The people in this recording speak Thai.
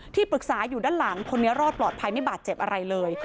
ปรึกษาอยู่ด้านหลังคนนี้รอดปลอดภัยไม่บาดเจ็บอะไรเลย